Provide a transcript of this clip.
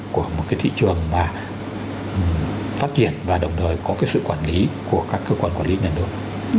của một cái thị trường mà phát triển và đồng thời có cái sự quản lý của các cơ quan quản lý nhà nước